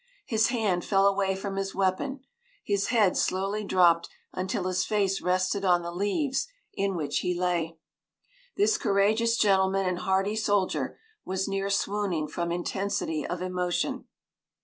His hand fell away from his weapon, his head slowly dropped until his face rested on the leaves in which he lay. This courageous gentleman and hardy soldier was near swooning from intensity of emotion.